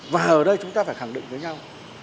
và ở đây chúng ta phải khẳng định với nhau